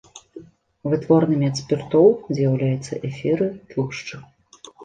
Вытворнымі ад спіртоў з'яўляюцца эфіры, тлушчы.